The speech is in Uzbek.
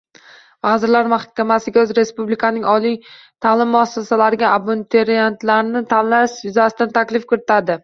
Vazirlar Mahkamasiga respublikaning oliy ta’lim muassasalariga abituriyentlarni tanlash yuzasidan taklif kiritadi